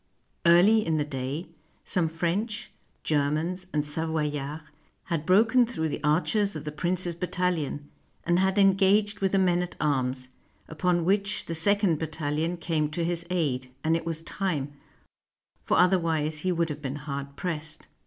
Early in the day, some French, Germans, and Savoy ards had broken through the archers of the prince's battalion, and had engaged with the men at arms; upon 178 THE BATTLE OF CRECY which the second battalion came to his "aid, and it was time, for otherwise he would have been hard pressed.